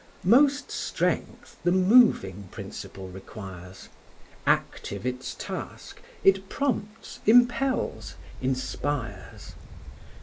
Most strength the moving principle requires; Active its task, it prompts, impels, inspires.